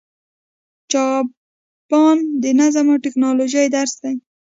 جاپان د نظم او ټکنالوژۍ درس دی.